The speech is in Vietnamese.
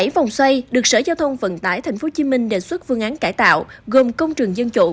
bảy vòng xoay được sở giao thông vận tải tp hcm đề xuất phương án cải tạo gồm công trường dân chủ